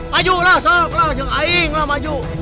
maju lah sok lo jangan aing lah maju